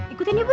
ikutin ya bu yuk